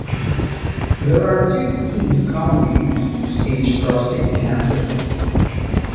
There are two schemes commonly used to stage prostate cancer.